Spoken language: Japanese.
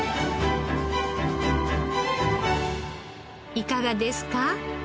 いかがですか？